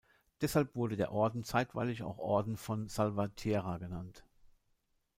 Deshalb wurde der Orden zeitweilig auch "Orden von Salvatierra" genannt.